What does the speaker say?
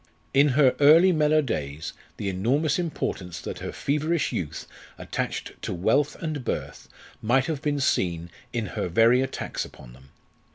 In her early Mellor days the enormous importance that her feverish youth attached to wealth and birth might have been seen in her very attacks upon them.